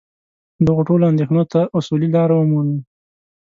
دغو ټولو اندېښنو ته اصولي لاره ومومي.